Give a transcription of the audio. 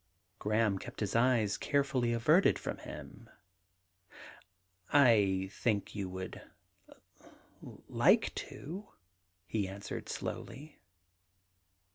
Graham kept his eyes carefully averted from 46 THE GARDEN GOD him. *I think you would like to/ he answered slowly.